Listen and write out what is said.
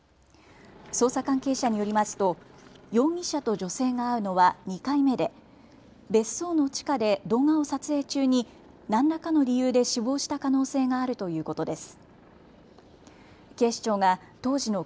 捜査関係者によりますと容疑者と女性が会うのは２回目で別荘の地下で動画を撮影中に何らかの理由で死亡した可能性があるということです。